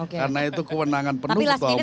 kalau ditanya menentukan kapan ini kaset rusak kita